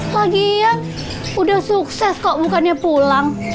lagian udah sukses kok bukannya pulang